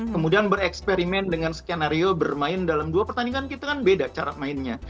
kemudian bereksperimen dengan skenario bermain dalam dua pertandingan kita kan beda cara mainnya